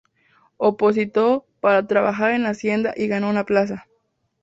Opositó para trabajar en Hacienda y ganó una plaza.